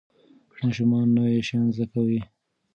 ماشومان نوي شیان زده کوي.